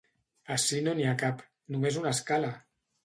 Ací no n'hi ha cap, només una escala!